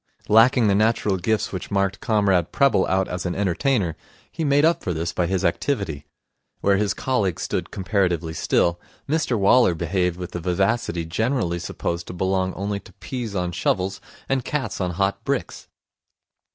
Lacking the natural gifts which marked Comrade Prebble out as an entertainer, he made up for this by his activity. Where his colleagues stood comparatively still, Mr Waller behaved with the vivacity generally supposed to belong only to peas on shovels and cats on hot bricks.